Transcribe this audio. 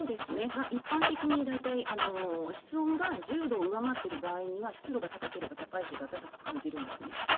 一般的に大体、室温が１０度を上回っている場合には湿度が高ければ高いほど暖かく感じるんですね。